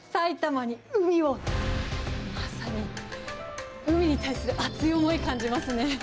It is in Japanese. まさに海に対する熱い思い、感じますね。